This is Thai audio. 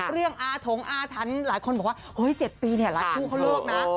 เรื่องอาถงอาทันหลายคนบอกว่าเฮ้ย๗ปีเนี่ยหลายคู่เขาเลือกนะ